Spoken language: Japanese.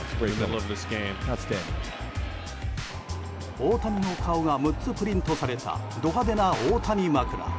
大谷の顔が６つプリントされたド派手な大谷枕。